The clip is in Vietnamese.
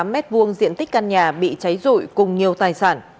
ba trăm bảy mươi tám mét vuông diện tích căn nhà bị cháy rụi cùng nhiều tài sản